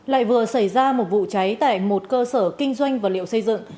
lại vừa xảy ra một vụ cháy tại một cơ sở kinh doanh vật liệu xây dựng